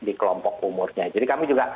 di kelompok umurnya jadi kami juga